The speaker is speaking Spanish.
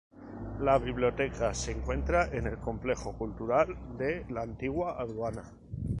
La biblioteca se encuentra en el Complejo Cultural de la Antigua Aduana.